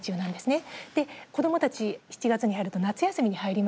で子どもたち７月に入ると夏休みに入ります。